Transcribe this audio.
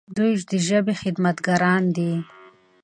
دوی د ژبې خدمتګاران دي.